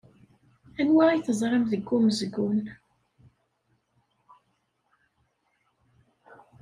Anwa ay teẓram deg umezgun?